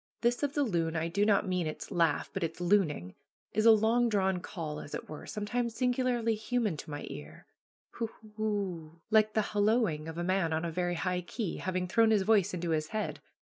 This of the loon I do not mean its laugh, but its looning is a long drawn call, as it were, sometimes singularly human to my ear hoo hoo ooooo, like the hallooing of a man on a very high key, having thrown his voice into his head.